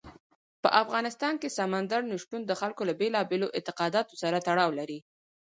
په افغانستان کې سمندر نه شتون د خلکو له بېلابېلو اعتقاداتو سره تړاو لري.